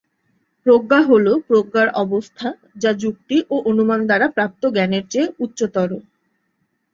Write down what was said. প্রজ্ঞা হল প্রজ্ঞার অবস্থা যা যুক্তি ও অনুমান দ্বারা প্রাপ্ত জ্ঞানের চেয়ে উচ্চতর।